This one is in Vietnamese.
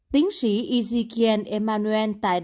tiến sĩ ezekiel emanuel tại đài truyền thông tin